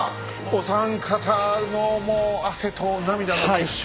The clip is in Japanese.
お三方のもう汗と涙の結晶。